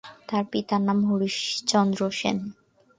তার পিতার নাম হরিশচন্দ্র সেন।